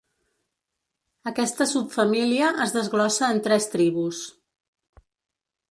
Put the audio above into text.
Aquesta subfamília es desglossa en tres tribus.